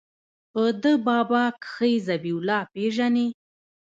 په ده بابا کښې ذبيح الله پېژنې.